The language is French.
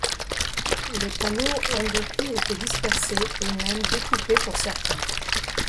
Les panneaux ont depuis été dispersés et même découpés pour certains.